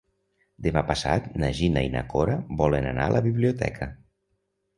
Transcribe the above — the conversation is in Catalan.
Demà passat na Gina i na Cora volen anar a la biblioteca.